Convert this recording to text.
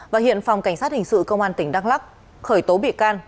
và hiện phòng cảnh sát hình sự công an tỉnh đắk lắc khởi tố bị can